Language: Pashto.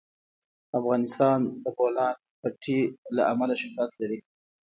افغانستان د د بولان پټي له امله شهرت لري.